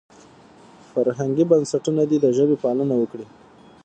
فرهنګي بنسټونه دې د ژبې پالنه وکړي.